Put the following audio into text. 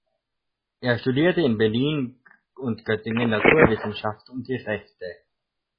Er studierte in Berlin und Göttingen Naturwissenschaft und die Rechte.